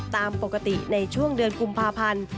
ตามปกติในช่วงเดือนกุมภาพันธ์